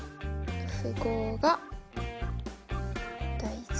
符号が大事。